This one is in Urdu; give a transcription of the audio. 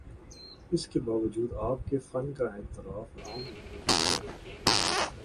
اس کے باوجود آپ کے فن کا اعتراف عام لوگوں میں ہے۔